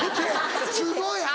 すごい！